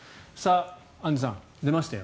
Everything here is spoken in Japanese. アンジュさん、出ましたよ